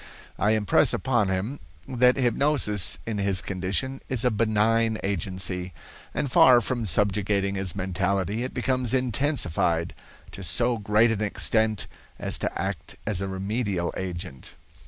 I impress upon him that hypnosis in his condition is a benign agency, and far from subjugating his mentality, it becomes intensified to so great an extent as to act as a remedial agent.